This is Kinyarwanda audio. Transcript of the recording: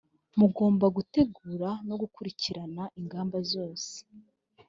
mugomba gutegura no gukurikirana ingamba zose.